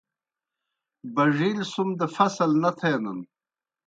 بَڙِیل سُم دہ فصل نہ تھینَن۔